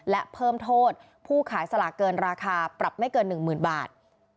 และเพิ่มโทษผู้ขายสลากเกินราคาปรับไม่เกิน๑๐๐๐บาท